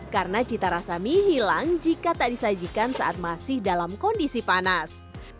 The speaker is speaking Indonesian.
karena cita rasa mie hilang jika tak disajikan saat masih dalam kondisi panas